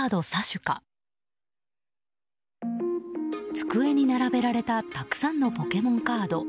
机に並べられたたくさんのポケモンカード。